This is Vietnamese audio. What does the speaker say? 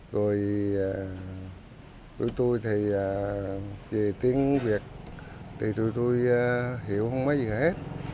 rồi tụi tui thì về tiếng việt thì tụi tui hiểu không mấy gì hết